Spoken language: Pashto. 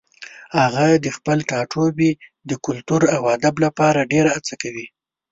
هغه د خپل ټاټوبي د کلتور او ادب لپاره ډېره هڅه وکړه.